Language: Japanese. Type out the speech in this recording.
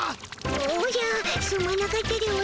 おじゃすまなかったでおじゃる。